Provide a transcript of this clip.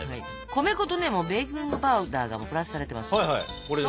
米粉とベーキングパウダーがプラスされてますので。